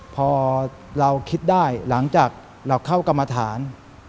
พอเราคิดได้หลังจากเราเข้ากรรมฐาน